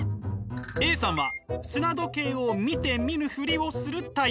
Ａさんは砂時計を見て見ぬふりをするタイプ。